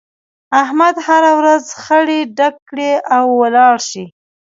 احمد هر ورځ خړی ډک کړي او ولاړ شي.